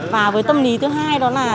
và với tâm lý thứ hai đó là